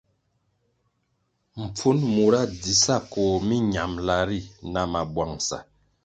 Mpfun mura dzi sa koh miñambʼla ri na mabwangʼsa.